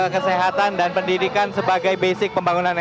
kesehatan dan pendidikan sebagai basic pembangunan